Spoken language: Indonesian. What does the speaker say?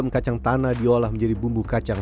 enam kacang tanah diolah menjadi bumbu kacang